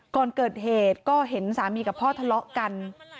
ก่อนเกิดเหตุก็เห็นสามีกับพ่อทะเลาะกัน